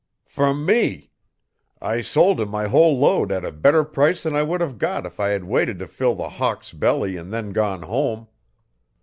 "From me. I sold him my whole load at a better price than I would have got if I had waited to fill the Hawk's belly and then gone home.